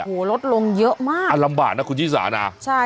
โอ้โหลดลงเยอะมากอารำบาลนะคุณนี่สานา